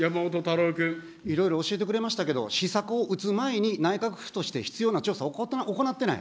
いろいろ教えてくれましたけど、施策を打つ前に、内閣府として必要な調査行ってない。